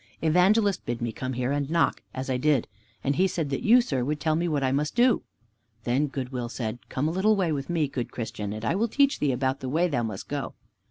"Evangelist bid me come here and knock, as I did. And he said that you, sir, would tell me what I must do." Then Good will said, "Come a little way with me, good Christian, and I will teach thee about the way thou must go.